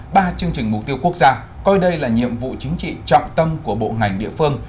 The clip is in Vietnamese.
ba chương trình mục tiêu quốc gia coi đây là nhiệm vụ chính trị trọng tâm của bộ ngành địa phương